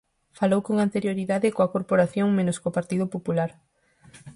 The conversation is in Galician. ¿Falou con anterioridade coa corporación menos co Partido Popular?